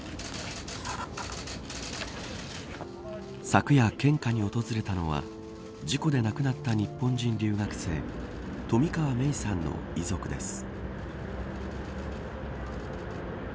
昨夜、献花に訪れたのは事故で亡くなった日本人留学生冨川芽生さんの遺族です。